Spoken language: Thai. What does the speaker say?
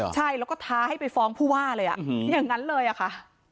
ใช่แล้วก็ท้าให้ไปฟ้องผู้ว่าเลยอย่างนั้นเลยอะค่ะ